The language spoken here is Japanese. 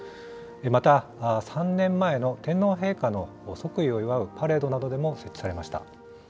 また、３年前の天皇陛下の即位を祝うパレードなどでも設置されました。